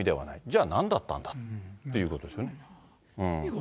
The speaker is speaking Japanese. じゃあ、なんだったんだということですよね。